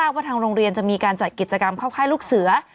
ว่าทางโรงเรียนจะมีการจัดกิจกรรมเข้าค่ายลูกเสือ